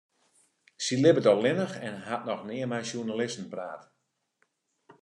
Sy libbet allinnich en hat noch nea mei sjoernalisten praat.